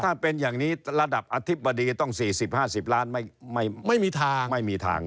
ถ้าเป็นอย่างนี้ระดับอธิบดีต้อง๔๐๕๐ล้านไม่มีทางไม่มีทาง